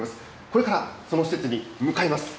これからその施設に向かいます。